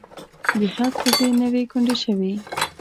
د سعد ښځې نه وې کونډې شوې.